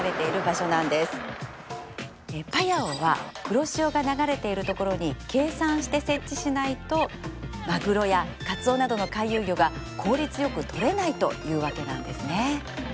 パヤオは黒潮が流れている所に計算して設置しないとマグロやカツオなどの回遊魚が効率良くとれないというわけなんですね。